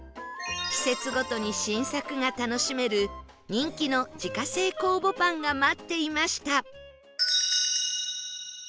季節ごとに新作が楽しめる人気の自家製酵母パンが待っていました